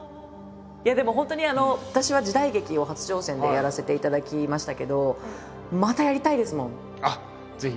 いやでも本当に私は時代劇を初挑戦でやらせていただきましたけどあっぜひ。